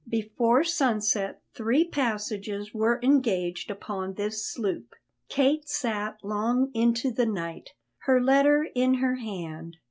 Before sunset three passages were engaged upon this sloop. Kate sat long into the night, her letter in her hand.